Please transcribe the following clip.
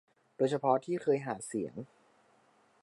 โดยเฉพาะที่เคยหาเสียง